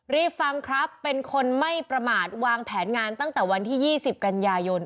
รีบฟังครับเป็นคนไม่ประมาทวางแผนงานตั้งแต่วันที่๒๐กันยายน